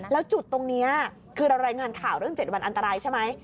แล้วจุดตรงนี้คือเรารายงานข่าวเรื่อง๗วันอันตรายใช่ไหม